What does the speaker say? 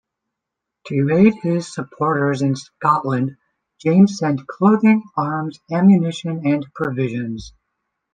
To aid his supporters in Scotland, James sent clothing, arms, ammunition and provisions.